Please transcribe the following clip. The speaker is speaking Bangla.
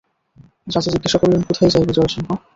রাজা জিজ্ঞাসা করিলেন, কোথায় যাইবে জয়সিংহ?